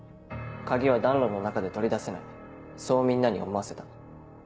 鍵は暖炉の中で取り出せないそうみんなに思わせた。